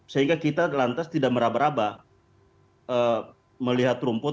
sehingga kita lantas tidak merabah rabah melihat rumput